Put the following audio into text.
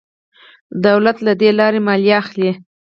دولت له دې لارې مالیه اخلي.